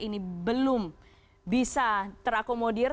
ini belum bisa terakomodir